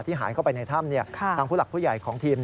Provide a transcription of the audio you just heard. หายเข้าไปในถ้ำทางผู้หลักผู้ใหญ่ของทีม